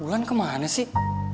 bulan kemana sih